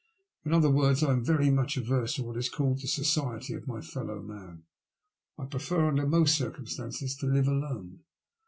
In other words, I am very much averse to what is called the society of my fellow man; I prefer, under most circumstances, to live alone.